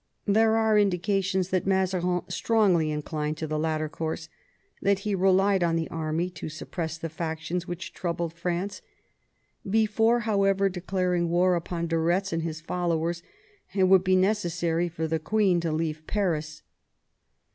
There are indications that Mazarin strongly inclined to the latter course — that he relied on the army to suppress the factions which troubled France. Before, however, declaring war upon de Retz and his followers, it would be necessary for the queen to leave Paris.